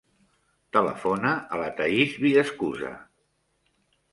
Telefona a la Thaís Villaescusa.